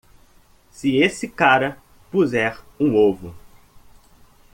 Se esse cara puser um ovo.